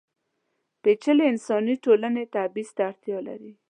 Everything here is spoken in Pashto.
پېچلې انساني ټولنې تبعیض ته اړتیا لري.